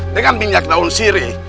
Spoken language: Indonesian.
dengan minyak daun sirih